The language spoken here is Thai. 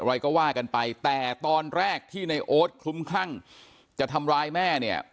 อะไรก็ว่ากันไปแต่ตอนแรกที่ในโอ๊ตคลุ้มคลั่งจะทำร้ายแม่เนี่ย